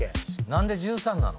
何で１３なの？